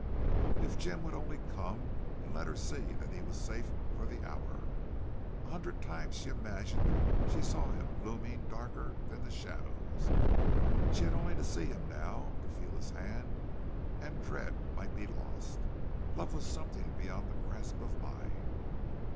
If Jim would only come and let her see that he was safe for the hour! A hundred times she imagined she saw him looming darker than the shadows. She had only to see him now, to feel his hand, and dread might be lost. Love was something beyond the grasp of mind.